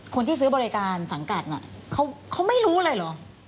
คนที่ซื้อบริการสังกัดน่ะเขาไม่รู้เลยเหรอ